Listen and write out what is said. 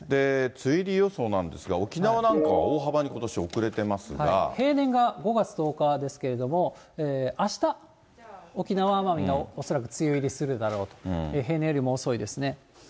梅雨入り予想なんですが、沖縄なんかは大幅にことし、平年が５月１０日ですけれども、あした、沖縄・奄美が恐らく梅雨入りするだろうと、平年よりも遅いですね。